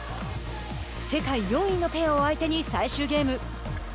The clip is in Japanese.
世界４位のペアを相手に最終ゲーム。